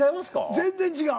全然違う。